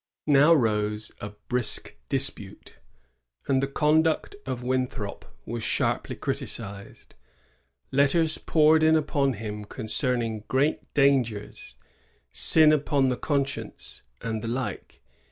Now rose a brisk dispute, and the conduct of Winthrop was sharply criticised. Letters poured in upon him concerning ^^ great dangers,*' ^'sin upon the conscience,*' and the like.